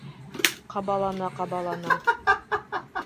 Ҡабалана-ҡабалана: